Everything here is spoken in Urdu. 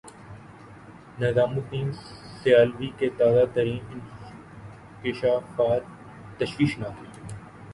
نظام الدین سیالوی کے تازہ ترین انکشافات تشویشناک ہیں۔